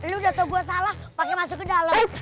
lo udah tau gue salah pake masuk ke dalam